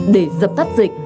để dập tắt dịch